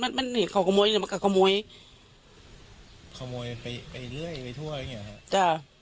ขโมยไปเรื่อยไปถ้วยเองานี่หรอครับ